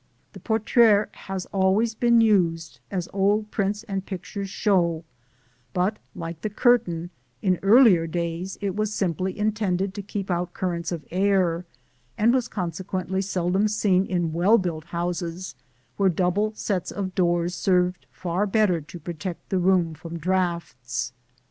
The portière has always been used, as old prints and pictures show; but, like the curtain, in earlier days it was simply intended to keep out currents of air, and was consequently seldom seen in well built houses, where double sets of doors served far better to protect the room from draughts.